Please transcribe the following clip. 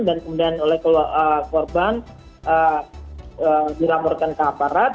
dan kemudian oleh korban diraborkan ke aparat